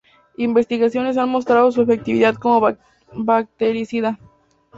Investigaciones han mostrado su efectividad como bactericida.